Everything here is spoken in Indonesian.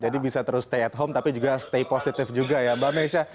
jadi bisa terus stay at home tapi juga stay positif juga ya mbak meksya